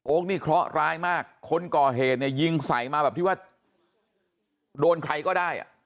นี่เคราะห์ร้ายมากคนก่อเหตุเนี่ยยิงใส่มาแบบที่ว่าโดนใครก็ได้